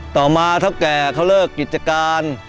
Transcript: ต่อมาเท่าแก่เขาเลิกกิจการ